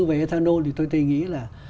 về ethanol thì tôi tự nghĩ là